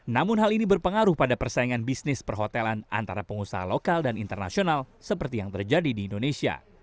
namun hal ini berpengaruh pada persaingan bisnis perhotelan antara pengusaha lokal dan internasional seperti yang terjadi di indonesia